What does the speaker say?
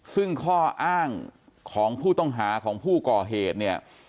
ซึ่งข้ออ้างของผู้ต้องหาของผู้ก่อเหตุเนี่ย